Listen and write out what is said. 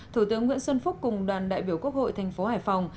thủ tướng nguyễn xuân phúc cùng đoàn đại biểu quốc hội thành phố hải phòng